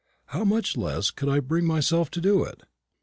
how much less could I bring myself to do it?